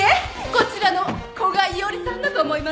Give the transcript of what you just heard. こちらの古賀一織さんだと思います。